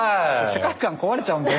世界観壊れちゃうんで。